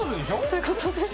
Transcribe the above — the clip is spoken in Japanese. そういうことですね。